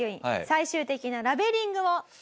最終的なラベリングを。